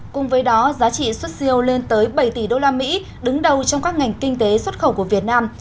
cùng với đó giá trị xuất siêu lên tới bảy tỷ đô la mỹ đứng đầu trong các ngành kinh tế xuất khẩu của việt nam